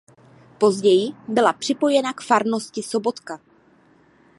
Později byla připojena k farnosti Sobotka.